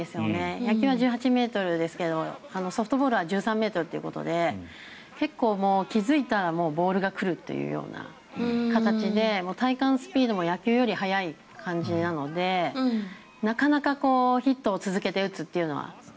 野球は１８ｍですけどソフトボールは１３ｍということで結構気付いたらもうボールが来るというような形で体感スピードも野球より速い感じなのでなかなかヒットを続けて打つというのは。